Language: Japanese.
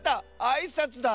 あいさつだ。